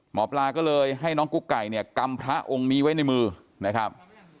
หมอปลาก็เลยให้น้องกุ๊กไก่เนี่ยกำพระองค์นี้ไว้ในมือนะครับ